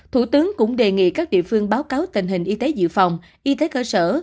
thủ tướng cũng đề nghị các địa phương báo cáo tình hình y tế dự phòng y tế cơ sở